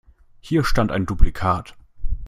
Hier stand ein Duplikat.